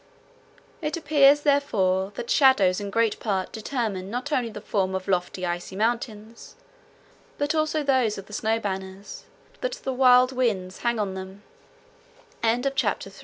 It appears, therefore, that shadows in great part determine not only the forms of lofty icy mountains, but also those of the snow banners that the wild winds